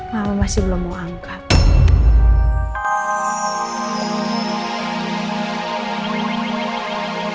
masih belum mau angkat